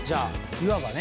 いわばね。